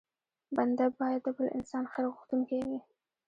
بنده بايد د بل انسان خیر غوښتونکی وي.